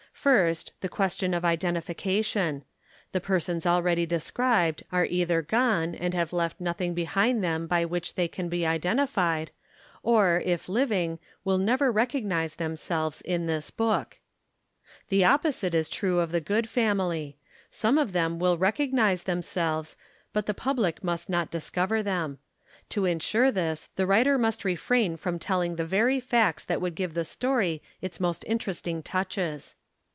First, the question of identification. The persons already described are either gone and have left nothing behind them by which they can be identified, or, if living, will never recognize themselves in this book. The opposite is true of the good family. Some of 94 them will recognize themselves, but the public must not discover them. To insure this, the writer must refrain from telling the very facts that would give the story its most interesting touches.